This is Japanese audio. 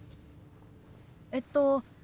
えっと。